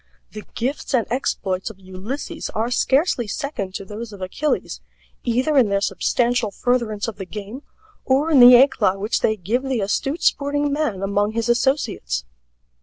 The gifts and exploits of Ulysses are scarcely second to those of Achilles, either in their substantial furtherance of the game or in the éclat which they give the astute sporting man among his associates.